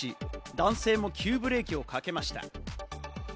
男性も急ブレーキをかけました。